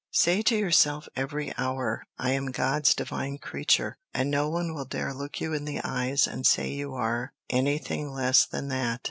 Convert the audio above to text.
Say to yourself every hour, "I am God's divine creature," and no one will dare look you in the eyes and say you are anything less than that.